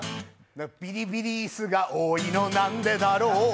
ビリビリ椅子が多いのなんでだろう